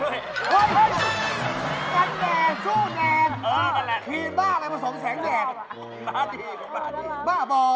เฮ้ยอะไรก็